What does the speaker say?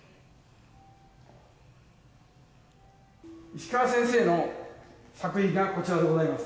「石川先生の作品がこちらでございます」